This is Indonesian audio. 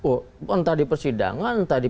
oh entah di persidangan entah di